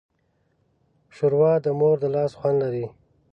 ښوروا د مور د لاس خوند لري.